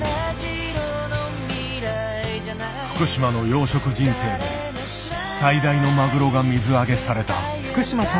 福島の養殖人生で最大のマグロが水揚げされた。